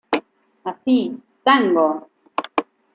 Así, "¡Tango!